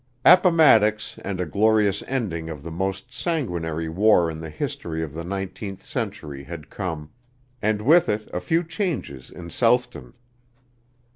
Appomattox and a glorious ending of the most sanguinary war in the history of the nineteenth century had come, and with it a few changes in Southton.